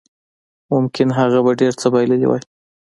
ممکن هغه به ډېر څه بایللي وای